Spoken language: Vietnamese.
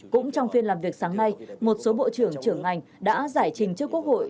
cũng trong phiên làm việc sáng nay một số bộ trưởng trưởng ngành đã giải trình trước quốc hội